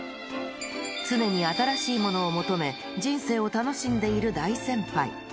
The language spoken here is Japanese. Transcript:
常に新しいものを求め、人生を楽しんでいる大先輩。